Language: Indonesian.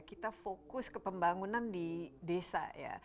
kita fokus ke pembangunan di desa ya